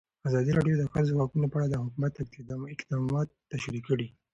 ازادي راډیو د د ښځو حقونه په اړه د حکومت اقدامات تشریح کړي.